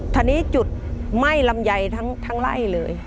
ทีนี้จุดไหม้ลำไยทั้งไล่เลย